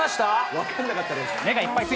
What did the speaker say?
分かんなかったです。